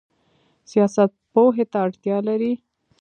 سیاست پوهې ته اړتیا لري؟